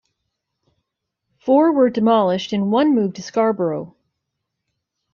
Four were demolished and one moved to Scarborough.